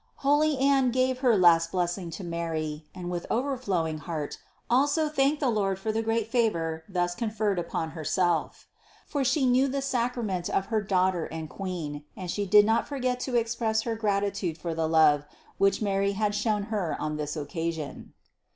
Holy Anne 552 CITY OF GOD gave her last blessing to Mary and with overflowing heart also thanked the Lord for the great favor thus conferred upon Herself. For She knew the sacrament of her Daughter and Queen, and she did not forget to express her gratitude for the love, which Mary had shown her on this occasion.